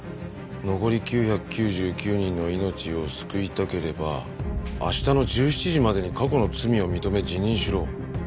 「残り９９９人の命を救いたければ明日の１７時までに過去の罪を認め辞任しろ」